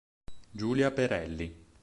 Giulia Perelli